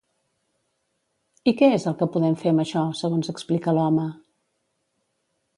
I què és el que podem fer amb això, segons explica l'home?